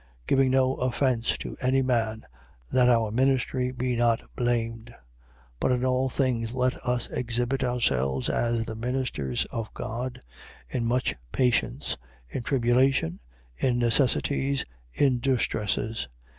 6:3. Giving no offence to any man, that our ministry be not blamed. 6:4. But in all things let us exhibit ourselves as the ministers of God, in much patience, in tribulation, in necessities, in distresses, 6:5.